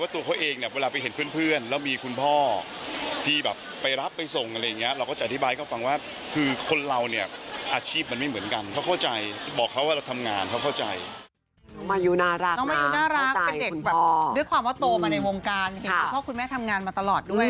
น่ารักน้องมายูน่ารักเป็นเด็กแบบด้วยความว่าโตมาในวงการเห็นคุณพ่อคุณแม่ทำงานมาตลอดด้วย